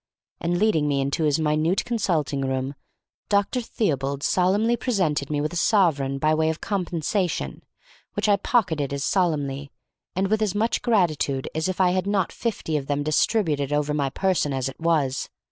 And, leading me into his minute consulting room, Dr. Theobald solemnly presented me with a sovereign by way of compensation, which I pocketed as solemnly, and with as much gratitude as if I had not fifty of them distributed over my person as it was.